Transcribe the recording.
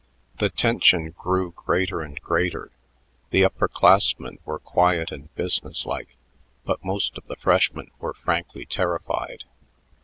The tension grew greater and greater. The upper classmen were quiet and businesslike, but most of the freshmen were frankly terrified.